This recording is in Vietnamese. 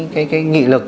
cái nghị lực